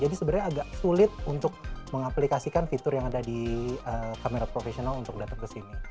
jadi sebenarnya agak sulit untuk mengaplikasikan fitur yang ada di kamera profesional untuk datang ke sini